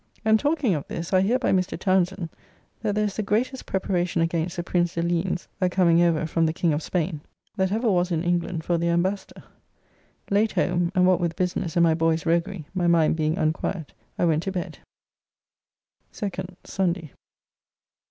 ] And talking of this, I hear by Mr. Townsend, that there is the greatest preparation against the Prince de Ligne's a coming over from the King of Spain, that ever was in England for their Embassador. Late home, and what with business and my boy's roguery my mind being unquiet, I went to bed. 2nd (Sunday).